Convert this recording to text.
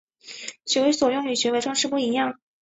学为所用与学为‘装饰’不一样